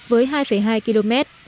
với hai hai km